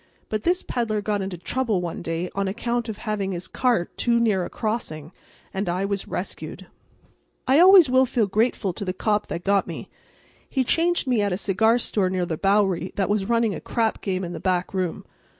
But this peddler got into trouble one day on account of having his cart too near a crossing, and I was rescued. I always will feel grateful to the cop that got me. He changed me at a cigar store near the Bowery that was running a crap game in the back room.